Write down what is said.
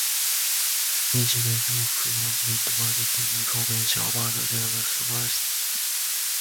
Businesses often obtain marketing information about their customers from sweepstakes entries.